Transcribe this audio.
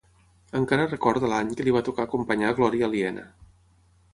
Encara recorda l'any que li va tocar acompanyar Glòria Aliena.